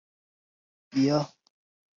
银穗草为禾本科银穗草属下的一个种。